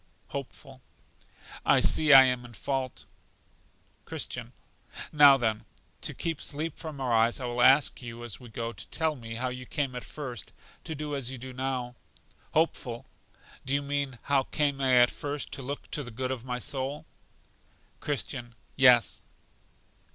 Hopeful. I see I am in fault. Christian. Now then, to keep sleep from our eyes I will ask you, as we go, to tell me how you came at first to do as you do now? Hopeful. Do you mean how came I first to look to the good of my soul? Christian. Yes.